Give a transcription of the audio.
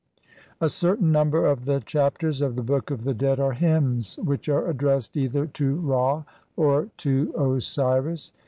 A certain number of the Chapters of the Book of the Dead are hymns which are addressed either to CLXVIII INTRODUCTION. Ra or to Osiris.